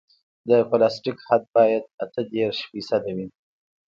د پلاستیک حد باید اته دېرش فیصده وي